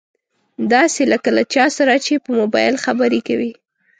داسې لکه له چا سره چې په مبايل خبرې کوي.